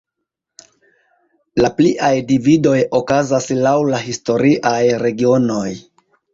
La pliaj dividoj okazas laŭ la historiaj regionoj.